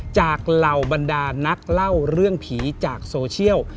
เหล่าบรรดานักเล่าเรื่องผีจากโซเชียล